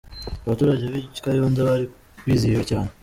Abaturage b'i Kayonza bari bizihiwe cyane.